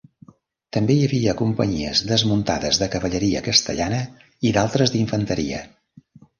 També hi havia companyies desmuntades de cavalleria castellana i d'altres d'infanteria.